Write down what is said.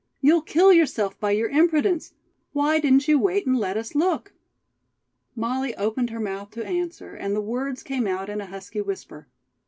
"You'll kill yourself by your imprudence. Why didn't you wait and let us look?" Molly opened her mouth to answer, and the words came out in a husky whisper.